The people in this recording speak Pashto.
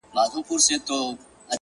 پاس توتكۍ راپسي مه ږغـوه!!